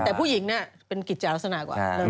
แต่ผู้หญิงเนี่ยเป็นกิจจาลักษณะกว่า